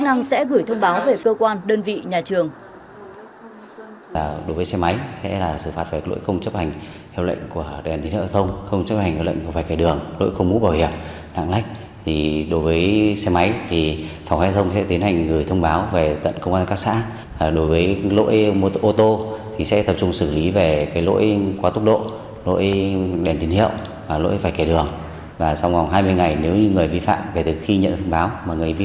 lực lượng chức năng sẽ gửi thông báo về cơ quan đơn vị nhà trường